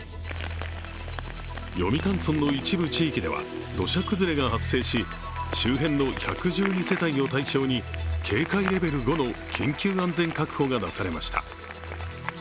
読谷村の一部地域では、土砂崩れが発生し周辺の１１２世帯を対象に警戒レベル５の緊急安全確保が出されました。